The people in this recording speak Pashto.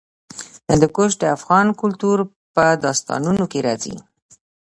هندوکش د افغان کلتور په داستانونو کې راځي.